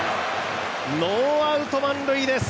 ノーアウト満塁です。